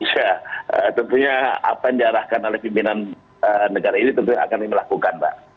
ya tentunya apa yang diarahkan oleh pimpinan negara ini tentunya akan dilakukan mbak